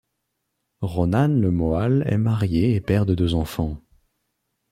Ronan le Moal est marié et père de deux enfants.